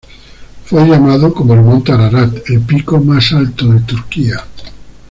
Fue llamado como el Monte Ararat, el pico más alto de Turquía.